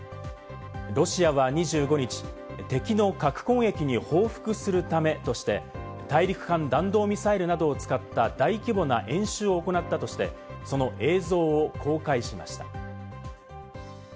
ロシアは２５日、敵の核攻撃に報復するためとして、大陸間弾道ミサイルなどを使った大規模な演習を行ったとして、その映像を公開しました。